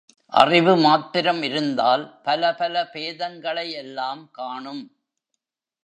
அறிவு மாத்திரம் இருந்தால் பல பல பேதங்களை எல்லாம் காணும்.